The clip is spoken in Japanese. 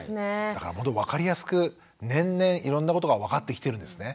だからほんと分かりやすく年々いろんなことが分かってきてるんですね。